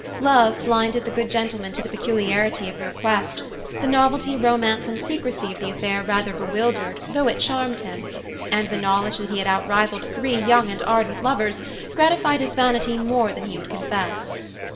Love blinded the good gentleman to the peculiarity of the request; the novelty, romance, and secrecy of the affair rather bewildered though it charmed him; and the knowledge that he had outrivaled three young and ardent lovers gratified his vanity more than he would confess.